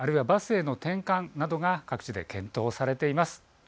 廃線、あるいはバスへの転換などが各地で検討されています。